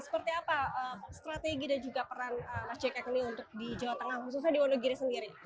seperti apa strategi dan juga peran mas jk ini untuk di jawa tengah khususnya di wonogiri sendiri